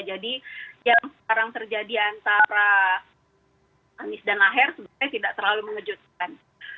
jadi yang sekarang terjadi antara anies dan aher sebenarnya tidak terlalu mengejutkan